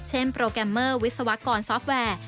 เช่นโปรแกรมเมอร์วิศวกรซอฟเวอร์